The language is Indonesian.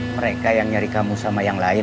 mereka yang nyari kamu sama yang lain